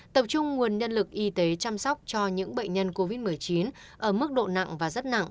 tập trung nguồn nhân lực y tế chăm sóc cho những bệnh nhân covid một mươi chín ở mức độ nặng và rất nặng